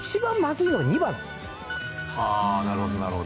ああなるほどなるほど。